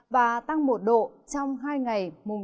và tăng một độ trong hai ngày